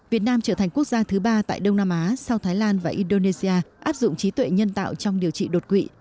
việt nam trở thành quốc gia thứ ba tại đông nam á sau thái lan và indonesia áp dụng trí tuệ nhân tạo trong điều trị đột quỵ